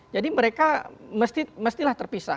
jadi mereka mestilah terpisah